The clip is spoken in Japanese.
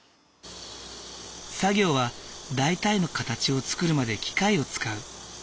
作業は大体の形を作るまで機械を使う。